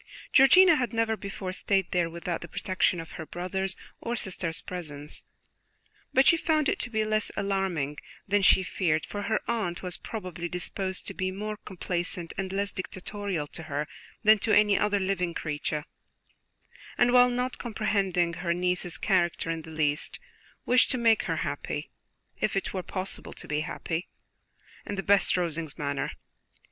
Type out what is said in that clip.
Georgiana had never before stayed there without the protection of her brother's or sister's presence; but she found it to be less alarming than she feared, for her aunt was probably disposed to be more complaisant and less dictatorial to her than to any other living creature; and while not comprehending her niece's character in the least, wished to make her happy, if it were possible to be happy, in the best Rosings manner.